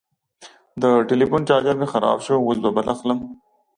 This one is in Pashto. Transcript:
د ټلیفون چارجر مې خراب شو، اوس به بل اخلم.